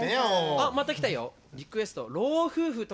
あっまた来たよ！